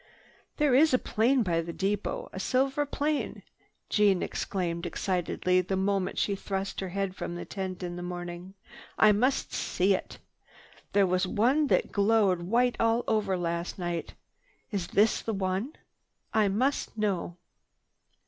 "There is a plane by the depot, a silver plane!" Jeanne exclaimed excitedly the moment she thrust her head from the tent next morning. "I must see it. There was one that glowed white all over last night. Is this the one? I must know."